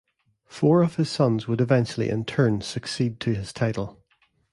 Four of his sons would eventually in turn succeed to his title.